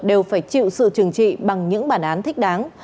đều phải chịu sự trừng trị bằng những bản án thích đáng